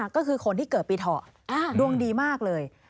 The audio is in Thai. ก็คือคนที่เกิดปีเถาะดวงดีมากเลย